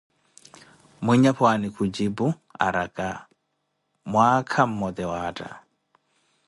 Mwinyapwaani kujipu araka, mwaka mmote waatta